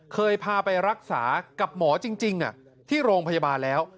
เคยพาไปรักษากับหมอจริงที่โรงพยาบาลแล้ว